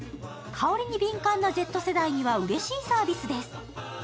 香りに敏感なＺ世代にはうれしいサービスです。